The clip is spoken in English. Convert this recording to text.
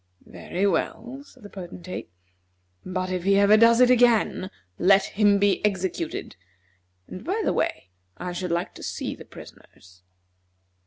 "Very well," said the Potentate; "but if he ever does it again, let him be executed; and, by the way, I should like to see the prisoners."